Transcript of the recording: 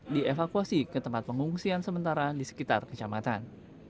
dievakuasi ke tempat pengungsian sementara di sekitar kecamatan